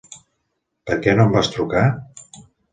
Per què no em vas trucar?